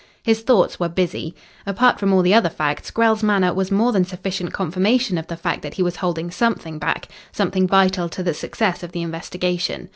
His thoughts were busy. Apart from all the other facts, Grell's manner was more than sufficient confirmation of the fact that he was holding something back something vital to the success of the investigation.